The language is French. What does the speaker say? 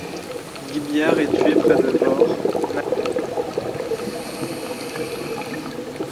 Guy Billard est tué près de Vors, Mazel parvient encore à s'enfuir.